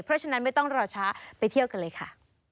เพราะฉะนั้นไม่ต้องรอช้าไปเที่ยวกันเลยค่ะ